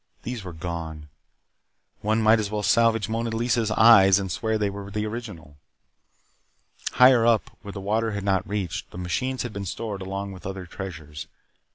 These were gone. One might as well salvage Mona Lisa's eyes and swear that they were the original. Higher up, where the water had not reached, the machines had been stored along with other treasures.